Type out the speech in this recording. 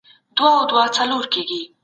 ولسي جرګه د ټولنې هوساينې ته کار کوي.